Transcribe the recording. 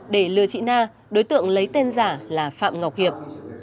để lừa chị na đối tượng lấy tên giả là phạm ngọc hiệp